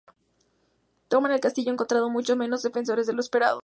Toman el castillo, encontrando muchos menos defensores de lo esperado.